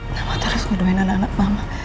mama terus ngeduain anak anak mama